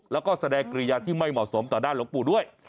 แล้วก็แสดงกิริยาที่ไม่เหมาะสมต่อด้านหลวงปู่ด้วย